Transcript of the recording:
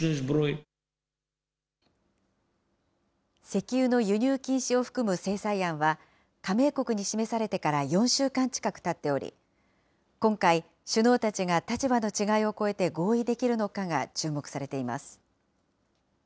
石油の輸入禁止を含む制裁案は、加盟国に示されてから４週間近くたっており、今回、首脳たちが立場の違いを超えて合意できるのかが注目されています。